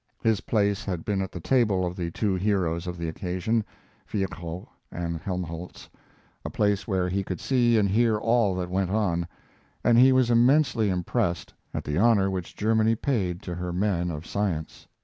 His place had been at the table of the two heroes of the occasion, Virchow and Helmholtz, a place where he could see and hear all that went on; and he was immensely impressed at the honor which Germany paid to her men of science.